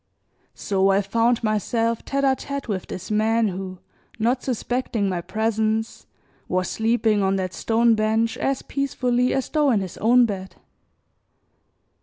So I found myself tete a tete with this man who, not suspecting my presence, was sleeping on that stone bench as peacefully as though in his own bed.